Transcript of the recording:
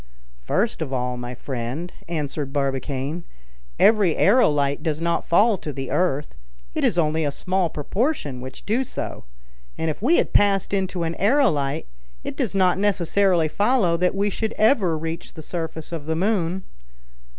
"First of all, my friend," answered Barbicane, "every aerolite does not fall to the earth; it is only a small proportion which do so; and if we had passed into an aerolite, it does not necessarily follow that we should ever reach the surface of the moon."